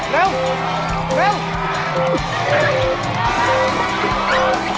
เร็วเร็ว